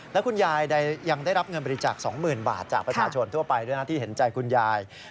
แล้วคุณยายยังได้รับเงินบริจาค๒๐๐๐บาทจากประชาชนทั่วไปด้วยนะที่เห็นใจคุณยาย